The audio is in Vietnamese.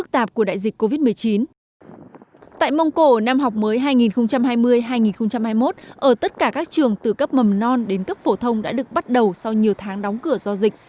tất cả các trường từ cấp mầm non đến cấp phổ thông đã được bắt đầu sau nhiều tháng đóng cửa do dịch